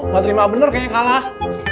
mau terima bener kayaknya kalah